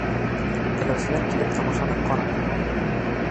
Теләүселәр килеп тамашаны ҡарай ала.